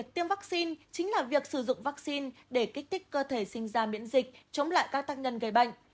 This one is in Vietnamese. tiêm vaccine chính là việc sử dụng vaccine để kích thích cơ thể sinh ra miễn dịch chống lại các tác nhân gây bệnh